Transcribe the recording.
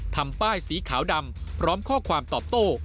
ทำป้ายสีขาวดำพร้อมข้อความตอบโต้